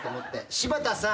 柴田さん？